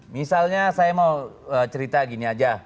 misalnya saya mau cerita gini aja